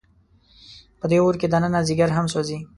په دې اور کې دننه ځیګر هم سوځي.